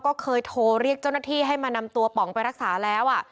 ก็เคยโทรเรียกเจ้าหน้าที่ให้มานำตัวป๋องไปรักษาแล้ว